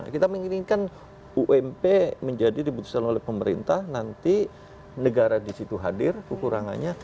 kita menginginkan ump menjadi dibutuhkan oleh pemerintah nanti negara di situ hadir kekurangannya